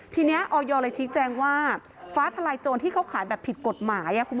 ทีนี้ออยเลยชี้แจงว่าฟ้าทลายโจรที่เขาขายแบบผิดกฎหมาย